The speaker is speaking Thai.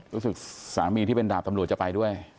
รู้สึกสามีที่เป็นดาบตำรวจจะไปด้วย